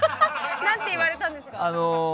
何て言われたんですか。